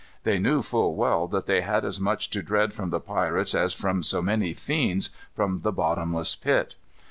They knew full well that they had as much to dread from the pirates as from so many fiends from the bottomless pit.